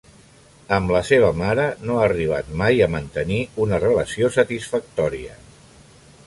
Amb la seva mare no ha arribat mai a mantenir una relació satisfactòria.